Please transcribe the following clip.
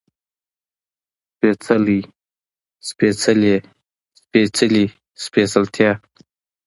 سپېڅلی، سپېڅلې، سپېڅلي، سپېڅلتيا